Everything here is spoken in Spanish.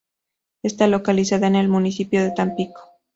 Está localizada en el municipio de Tampico.